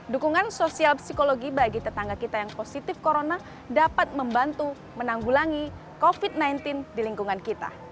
dukungan sosial psikologi bagi tetangga kita yang positif corona dapat membantu menanggulangi covid sembilan belas di lingkungan kita